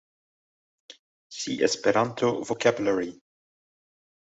See Esperanto vocabulary.